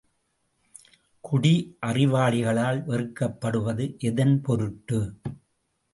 குடி அறிவாளிகளால் வெறுக்கப்படுவது எதன் பொருட்டு?